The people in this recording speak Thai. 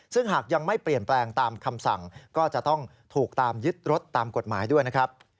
ซึ่งหากยังไม่เปลี่ยนแปลงตามคำสั่งก็จะต้องถูกตามยึดรถตามกฎหมายด้วยนะครับ